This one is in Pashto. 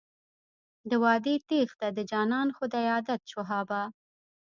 د وعدې تېښته د جانان خو دی عادت شهابه.